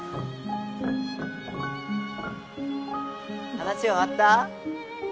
・話終わった？